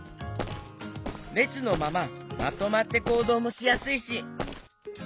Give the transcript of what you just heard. れつのまままとまってこうどうもしやすいし。